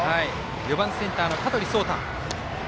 ４番センターの香取蒼太。